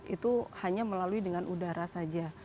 itu hanya melalui dengan udara saja